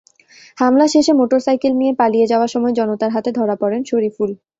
হামলা শেষে মোটরসাইকেল নিয়ে পালিয়ে যাওয়ার সময় জনতার হাতে ধরা পড়েন শরিফুল।